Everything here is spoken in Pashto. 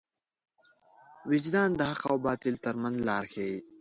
وجدان د حق او باطل تر منځ لار ښيي.